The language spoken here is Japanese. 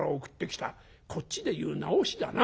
こっちで言う『なおし』だな。